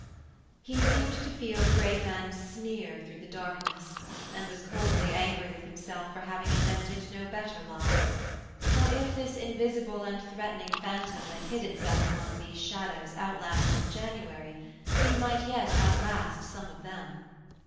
He seemed to feel the great man's sneer through the darkness, and was coldly angry with himself for having invented no better lie. For if this invisible and threatening phantom that hid itself among these shadows outlasted January he might yet outlast some of them.